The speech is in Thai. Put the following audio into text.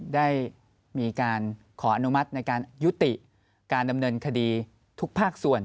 ได้มีการขออนุมัติในการยุติการดำเนินคดีทุกภาคส่วน